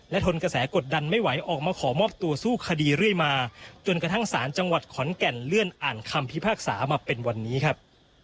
ทนกระแสกดดันไม่ไหวออกมาขอมอบตัวสู้คดีเรื่อยมาจนกระทั่งศาลจังหวัดขอนแก่นเลื่อนอ่านคำพิพากษามาเป็นวันนี้ครับ